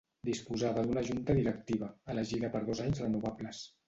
Disposava d'una junta directiva, elegida per dos anys renovables.